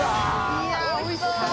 いやぁおいしそう！